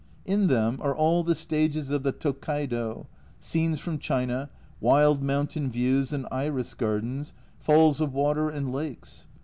In them are all the stages of the Tokkaido, scenes from China, wild mountain views and iris gardens, falls of water and lakes.